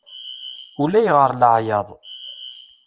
Ulayɣer leɛyaḍ.